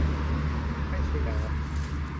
ไม่ใช้น้ำ